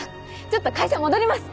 ちょっと会社戻ります！